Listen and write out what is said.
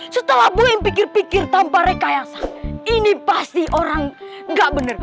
setelah boeing pikir pikir tanpa rekayasa ini pasti orang nggak bener